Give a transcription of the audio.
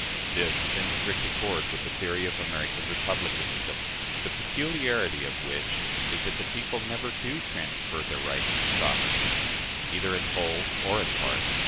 " This is in strict accord with the theory of American republicanism, the peculiarity of which is that the people never do transfer their right of sovereignty, either in whole or in part.